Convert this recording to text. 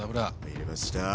入れました。